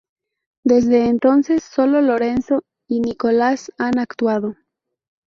Desde entonces, solo Lorenzo y Nikolas han actuado.